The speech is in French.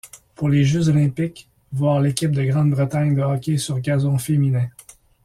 Pour les Jeux olympiques, voir l'Équipe de Grande-Bretagne de hockey sur gazon féminin.